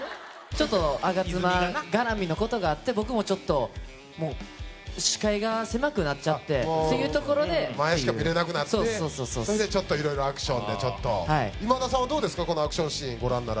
ちょっと吾妻がらみのことがあって僕もちょっともう視界が狭くなっちゃってっていうところで前しか見れなくなってそれでちょっといろいろアクションでちょっとはいそうですね